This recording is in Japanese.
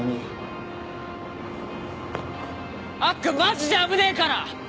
アッくんマジで危ねえから！